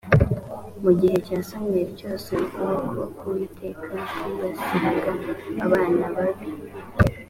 mu gihe cya samweli cyose ukuboko k uwiteka kwibasiraga abana babi